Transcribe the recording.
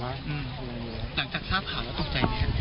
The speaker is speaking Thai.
งานคนเด็กเธอเล่าให้ฟังหน่อยครับ